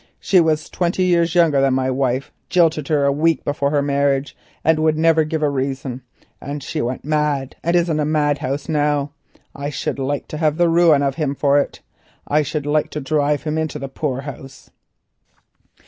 She was twenty years younger than my wife—jilted her a week before her marriage, and would never give a reason, and she went mad and is in a madhouse how. I should like to have the ruining of him for it. I should like to drive him into the poor house."